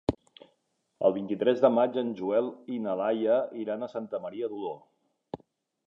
El vint-i-tres de maig en Joel i na Laia iran a Santa Maria d'Oló.